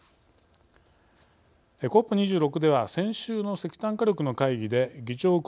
ＣＯＰ２６では先週の石炭火力の会議で議長国